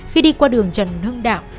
khi đi qua đường trần hưng đạo